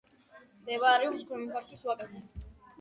მდებარეობს ქვემო ქართლის ვაკეზე.